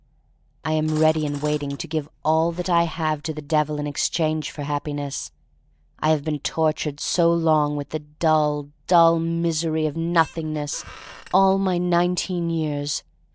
I am ready and waiting to give all that I have to the Devil in exchange for Happiness. I have been tortured so long with the dull, dull misery of Nothingness — all my nineteen years.